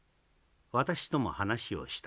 私とも話をした。